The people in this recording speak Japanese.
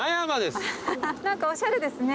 何かおしゃれですね。